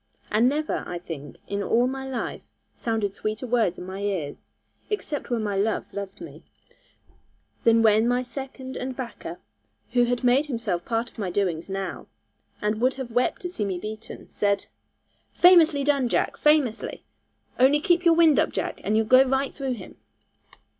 And never, I think, in all my life, sounded sweeter words in my ears (except when my love loved me) than when my second and backer, who had made himself part of my doings now, and would have wept to see me beaten, said, 'Famously done, Jack, famously! Only keep your wind up, Jack, and you'll go right through him!'